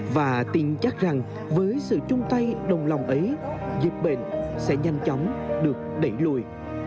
và tin chắc rằng với sự chung tay đồng lòng ấy dịch bệnh sẽ nhanh chóng được đẩy lùi